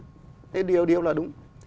thế điều điều là đúng